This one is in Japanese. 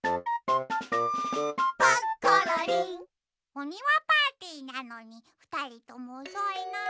おにわパーティーなのにふたりともおそいな。